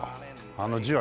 あの字は。